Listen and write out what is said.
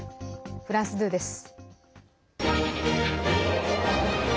フランス２です。